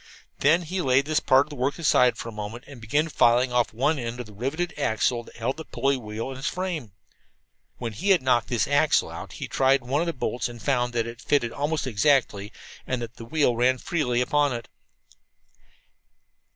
He then laid this part of the work aside for a moment and began filing off one end of the riveted axle that held the pulley wheel in its frame. When he had knocked this axle out he tried one of the bolts and found that it fitted almost exactly, and that the wheel ran freely upon it.